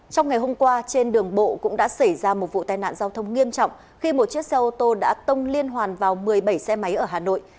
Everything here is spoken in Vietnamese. trong ngày hôm qua trên đường bộ cũng đã xảy ra một vụ tai nạn giao thông nghiêm trọng khi một chiếc xe ô tô đã tông liên hoàn vào một mươi bảy xe máy ở hà nội